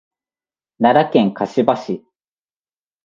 奈良県香芝市